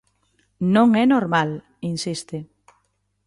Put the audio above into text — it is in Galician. "Non é normal", insiste.